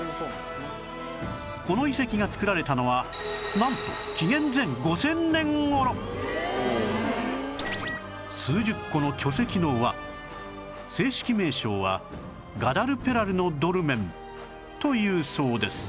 この遺跡が造られたのはなんと数十個の巨石の輪正式名称は「ガダルペラルのドルメン」というそうです